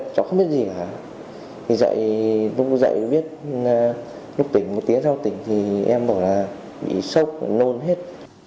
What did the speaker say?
thì dạy viết lúc tỉnh một tiếng sau tỉnh thì em bảo là bị sốc nôn hết